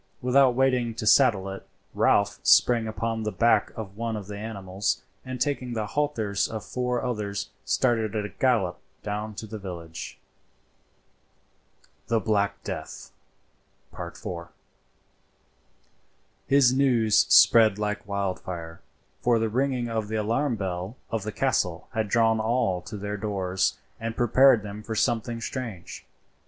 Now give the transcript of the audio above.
Without waiting to saddle it Ralph sprang upon the back of one of the animals, and taking the halters of four others started at a gallop down to the village. THE BLACK DEATH.—IV. His news spread like wildfire; for the ringing of the alarm bell of the castle had drawn all to their doors and prepared them for something strange.